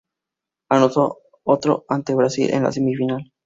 Anotó otro ante Brasil en la semifinal.